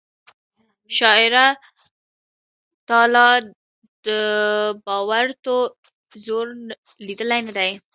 شاعره تا لا د باروتو زور لیدلی نه دی